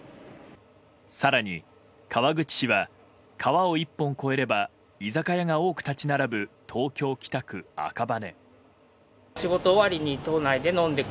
更に、川口市は川を一本越えれば居酒屋が多く立ち並ぶ東京・北区赤羽。